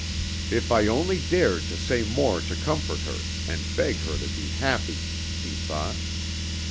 "If I only dared to say more to comfort her, and beg her to be happy!" he thought.